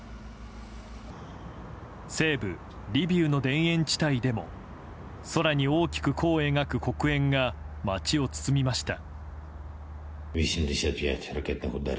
西部リビウの田園地帯でも空に大きく弧を描く黒煙が街を包みました。